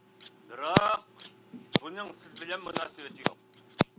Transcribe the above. بىراق، بۇنىڭ سىز بىلەن مۇناسىۋىتى يوق.